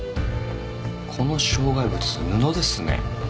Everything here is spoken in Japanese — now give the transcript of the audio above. この障害物布ですね。